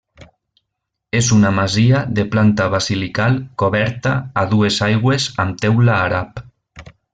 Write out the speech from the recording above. És una masia de planta basilical coberta a dues aigües amb teula àrab.